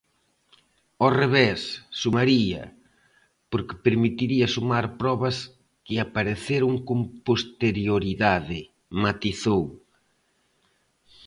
"Ao revés, sumaría, porque permitiría sumar probas que apareceron con posterioridade", matizou.